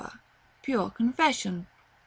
Pure confession. 11.